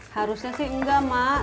harusnya sih enggak mak